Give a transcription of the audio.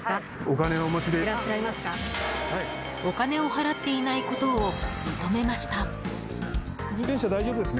お金を払っていないことを認めました。